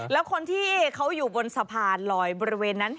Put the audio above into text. แล้วคนที่เขาอยู่บนสะพานลอยบริเวณนั้น